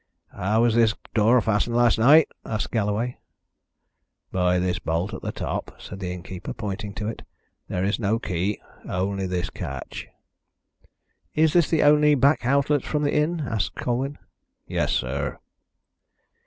"How was this door fastened last night?" asked Galloway. "By this bolt at the top," said the innkeeper, pointing to it. "There is no key only this catch." "Is this the only back outlet from the inn?" asked Colwyn. "Yes, sir."